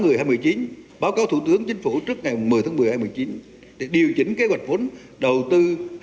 bộ kế hoạch đầu tư phải báo cáo thủ tướng chính phủ trước ngày một mươi tháng một mươi hai nghìn một mươi chín để điều chỉnh kế hoạch vốn đầu tư hai nghìn một mươi chín